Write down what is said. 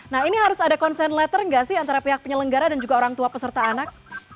nah ini harus ada concern letter nggak sih antara pihak penyelenggara dan juga orang tua peserta anak